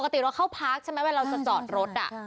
ปกติเราเข้าพาร์คใช่ไหมว่าเราจะจอดรถอ่ะใช่ใช่